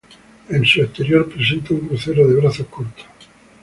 En su exterior presenta un crucero de brazos cortos.